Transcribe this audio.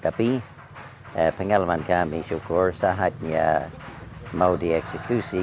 tapi pengalaman kami syukur saatnya mau dieksekusi